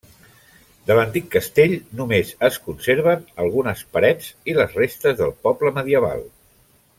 De l'antic castell només es conserven algunes parets i les restes del poble medieval.